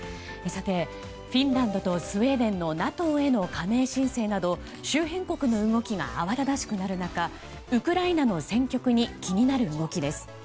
フィンランドとスウェーデンのＮＡＴＯへの加盟申請など周辺国の動きが慌ただしくなる中ウクライナの戦局に気になる動きです。